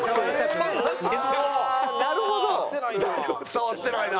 伝わってないな。